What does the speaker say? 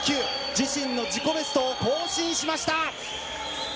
自身の自己ベストを更新しました。